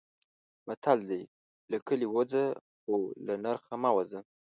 متل دی: له کلي ووځه خو له نرخه مه وځه.